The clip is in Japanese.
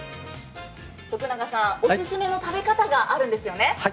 徳永さん、オススメの食べ方があるんですよね？